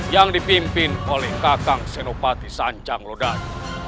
yang dipimpin oleh kakang senopati sancang lodan